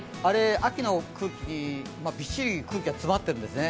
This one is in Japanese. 秋の空気、びっしり空気が詰まっているんですね。